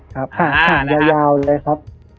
ครับห่างยาวเลยครับ